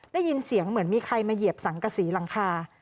ได้ยินเสียงเหมือนมีใครมาเหยียบสังกษีหลังคา